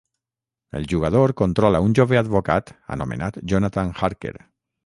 El jugador controla un jove advocat anomenat Jonathan Harker.